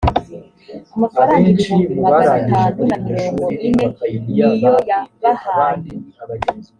amafaranga ibihumbi magana atanu na mirongo ine niyoyabahaye.